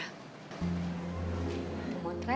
mungkin itu mereka habis pemotretan kali ya